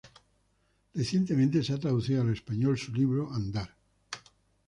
Recientemente, se ha traducido al español su libro "Andar.